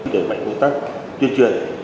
để mạnh công tác tuyên truyền